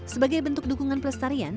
sebagai bentuk dukungan pelestarian